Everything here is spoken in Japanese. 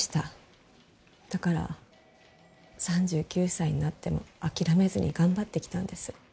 だから３９歳になっても諦めずに頑張ってきたんです。